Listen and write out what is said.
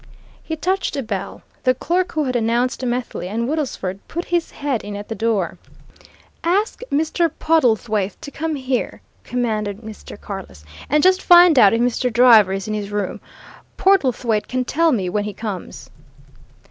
He touched a bell; the clerk who had announced Methley and Woodlesford put his head in at the door. "Ask Mr. Portlethwaite to come here," commanded Mr. Carless. "And just find out if Mr. Driver is in his room. Portlethwaite can tell me when he comes."